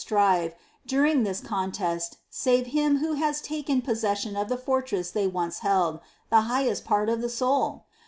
strive, during this contest, save Him Who has taken possession of the fortress they once held, — the highest part of the soul